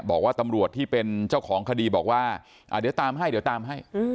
บอกว่าตำรวจที่เป็นเจ้าของคดีบอกว่าเดี๋ยวตามให้เดี๋ยวตามให้